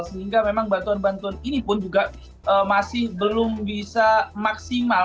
sehingga memang bantuan bantuan ini pun juga masih belum bisa maksimal